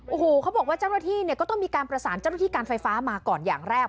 โอ้โหเขาบอกว่าเจ้าหน้าที่เนี่ยก็ต้องมีการประสานเจ้าหน้าที่การไฟฟ้ามาก่อนอย่างแรก